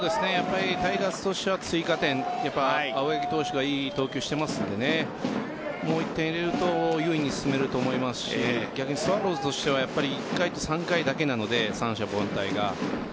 タイガースとしては追加点青柳投手がいい投球をしていますのでもう１点入れると優位に進めると思いますし逆にスワローズとしては１回と３回だけなので三者凡退が。